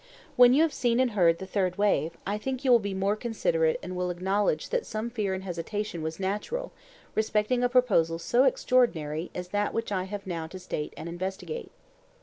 When you have seen and heard the third wave, I think you will be more considerate and will acknowledge that some fear and hesitation was natural respecting a proposal so extraordinary as that which I have now to state and investigate.